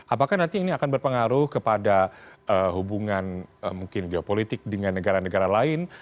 apakah nanti ini akan berpengaruh kepada hubungan mungkin geopolitik dengan negara negara lain